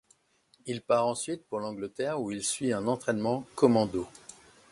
Il part ensuite pour l'Angleterre où il suit un entraînement commando.